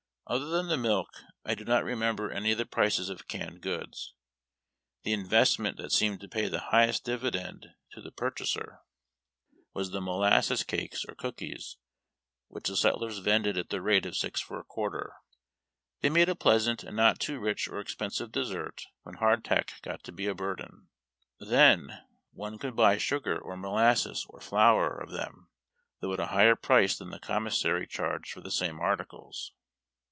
Other than the milk I do not remem ber any of the prices of canned goods. The investment that seemed to pay the largest dividend to the purchaser 226 IIABD TACK AND COFFEE. was the molasses cakes or cookies which the sutlers vended at the rate of six for a quarter. They made a pleasant and not too rich or expensive dessert when hardtack got to be a burden. Then, one could buy sugar or molasses or flour of them, though at a higher price than the commissary charged for the same articles.